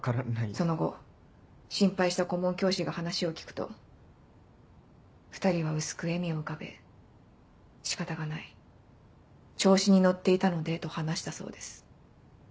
その後心配した顧問教師が話を聞くと２人は薄く笑みを浮かべ「仕方がない」「調子に乗っていたので」と話したそうです。